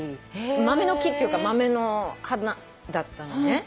豆の木っていうか豆の花だったのね。